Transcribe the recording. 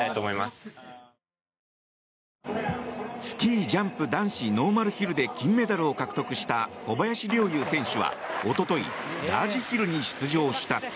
スキージャンプ男子ノーマルヒルで金メダルを獲得した小林陵侑選手はおとといラージヒルに出場した。